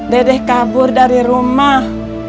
dedek kabur dari rumah